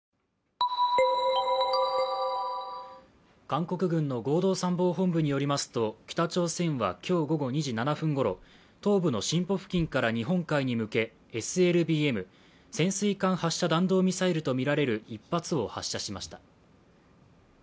韓国軍の合同参謀本部によりますと、北朝鮮は今日午後２時７分ごろ、東部のシンポ付近から日本海に向けＳＬＢＭ＝潜水艦発射弾道ミサイルとみられる１発を発射しました。